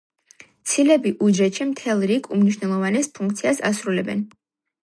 ცილები უჯრედში მთელ რიგ უმნიშვნელოვანეს ფუნქციას ასრულებენ.